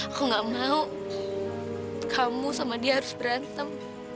aku gak mau kamu sama dia harus berantem